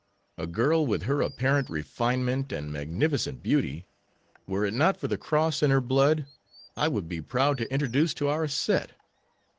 A girl with her apparent refinement and magnificent beauty, were it not for the cross in her blood, I would be proud to introduce to our set.